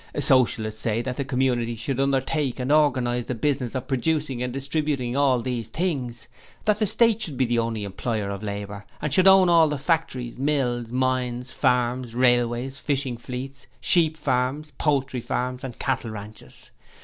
Socialists say that the community should undertake and organize the business of producing and distributing all these things; that the State should be the only employer of labour and should own all the factories, mills, mines, farms, railways, fishing fleets, sheep farms, poultry farms and cattle ranches.